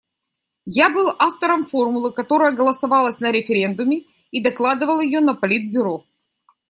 Я был автором формулы, которая голосовалась на референдуме и докладывал её на Политбюро.